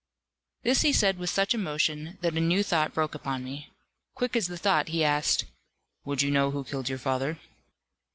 This he said with such emotion, that a new thought broke upon me. Quick as the thought, he asked, "Would you know who killed your father?"